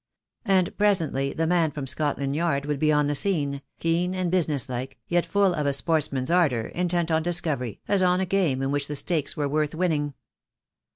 And presently the man from Scotland Yard would be on the scene, keen and business like, yet full of a sportsman's ardour, intent on discovery, as on a game in which the stakes were worth winning.